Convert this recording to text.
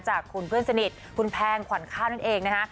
จากคุณเพื่อนสนิทคุณแพงขวัญข้าวนั่นเองนะคะ